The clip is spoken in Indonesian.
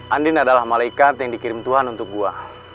andin adalah malaikat yang dikirim tuhan untuk gue